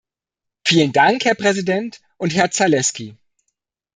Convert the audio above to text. Vielen Dank, Herr Präsident und Herr Zaleski.